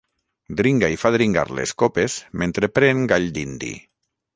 Dringa i fa dringar les copes mentre pren gall dindi.